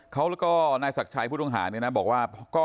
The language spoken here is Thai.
เขาก็นายศักรรยายผู้ตรงหาเนี่ยนะบอกว่า